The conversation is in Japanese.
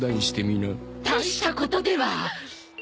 大したことでは。